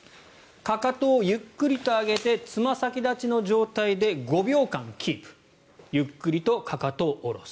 かかとをゆっくりと上げてつま先立ちの状態で５秒間キープゆっくりとかかとを下ろす。